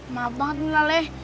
maaf banget nila leh